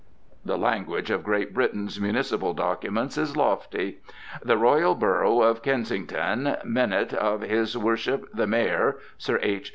The language of Great Britain's municipal documents is lofty: "The Royal Burrough of Kensington, Minute of His Worship the Mayor (Sir H.